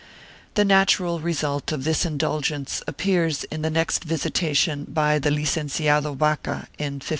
1 The natural result of this indulgence appears in the next visita tion by the Licenciado Vaca, in 1549.